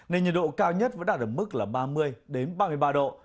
nên nhiệt độ cao nhất vẫn đạt được mức là ba mươi ba mươi ba độ